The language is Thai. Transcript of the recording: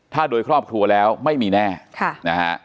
ถ้าโดยครอบครัวแล้วไม่มีแน่นะฮะ